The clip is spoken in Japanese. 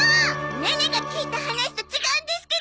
ネネが聞いた話と違うんですけど！